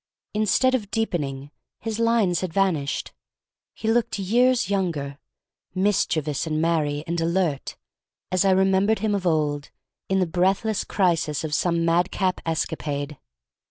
Instead of deepening, his lines had vanished. He looked years younger, mischievous and merry and alert as I remembered him of old in the breathless crisis of some madcap escapade.